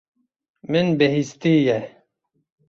Min bihîstiye.